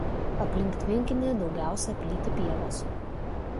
Aplink tvenkinį daugiausia plyti pievos.